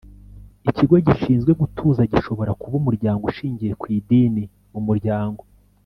ikigo gishinzwe gutuza gishobora kuba umuryango ushingiye kw idini umuryango